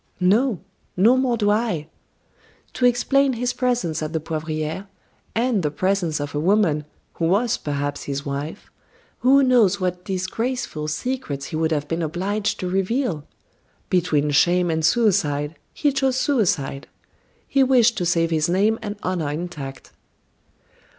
No no more do I. To explain his presence at the Poivriere, and the presence of a woman, who was perhaps his wife, who knows what disgraceful secrets he would have been obliged to reveal? Between shame and suicide, he chose suicide. He wished to save his name and honor intact."